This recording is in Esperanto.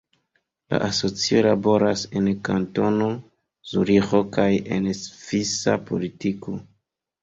La asocio laboras en Kantono Zuriĥo kaj en svisa politiko.